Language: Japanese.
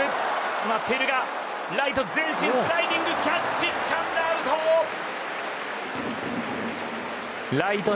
詰まっているがライト前進スライディングキャッチつかんだ、アウト。